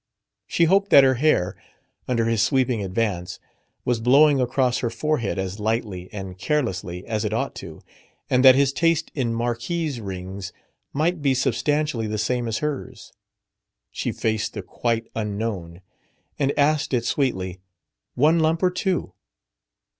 She hoped that her hair, under his sweeping advance, was blowing across her forehead as lightly and carelessly as it ought to, and that his taste in marquise rings might be substantially the same as hers. She faced the Quite Unknown, and asked it sweetly, "One lump or two?"